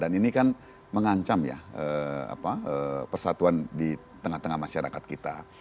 dan ini kan mengancam ya persatuan di tengah tengah masyarakat kita